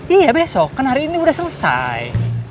iya besok kan hari ini sudah selesai